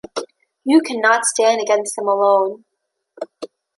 You can not stand against them alone.